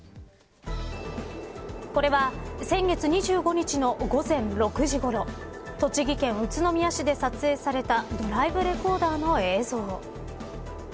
これは、先月２５日の午前６時ごろ栃木県宇都宮市で撮影されたドライブレコーダーの映像。